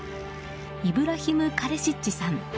イブラヒム・カレシッチさん